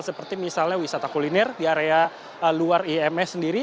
seperti misalnya wisata kuliner di area luar ims sendiri